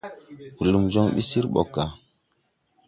Blum jɔŋ ɓi sír ɓɔg gà.